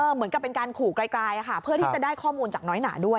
เหมือนกับเป็นการขู่ไกลเพื่อที่จะได้ข้อมูลจากน้อยหนาด้วย